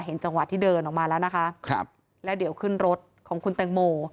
จังหวะที่เดินออกมาแล้วนะคะครับแล้วเดี๋ยวขึ้นรถของคุณแตงโม